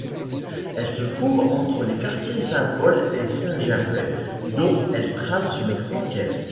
Elle se trouve entre les quartiers Saint-Paul et Saint-Gervais, dont elle trace une frontière.